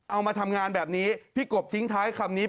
เอามาทำงานแบบนี้พี่กบทิ้งท้ายคำนี้